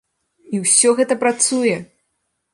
І ўсё гэта працуе!